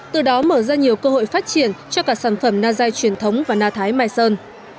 từ đó mở ra nhiều cơ hội phát triển cho cả sản phẩm na dài truyền thống và na thái mai sơn